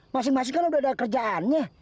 masing masing kan udah ada kerjaannya